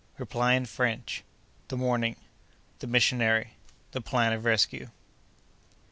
—Reply in French.—The Morning.—The Missionary.—The Plan of Rescue.